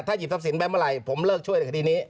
หยิบทรัพย์สินไปเมื่อไหร่ผมเลิกช่วยในคดีนี้